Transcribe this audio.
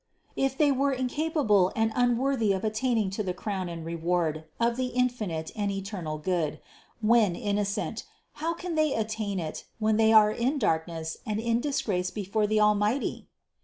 If they were incapable and unworthy of attaining to the crown and reward of the infinite and eternal Good when innocent, how can they attain it, when they are in darkness and in disgrace before the Almighty?